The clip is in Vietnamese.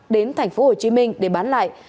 đến thành phố hồ chí minh để bán lại